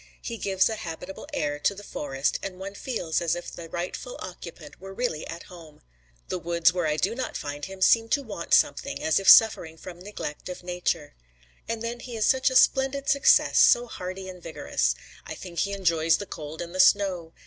He gives a habitable air to the forest, and one feels as if the rightful occupant were really at home. The woods where I do not find him seem to want something, as if suffering from some neglect of Nature. And then he is such a splendid success, so hardy and vigorous. I think he enjoys the cold and the snow.